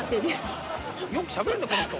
よくしゃべるねこの人。